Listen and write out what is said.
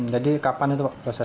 jadi kapan itu prosesnya